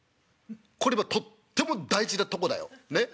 これ今とっても大事なとこだよねっ。